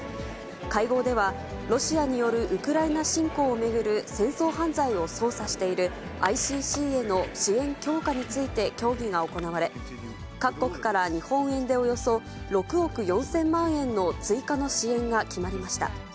会合では、ロシアによるウクライナ侵攻を巡る戦争犯罪を捜査している、ＩＣＣへの支援強化について協議が行われ、各国から日本円でおよそ６億４０００万円の追加の支援が決まりました。